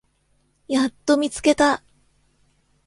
やっと見つけた！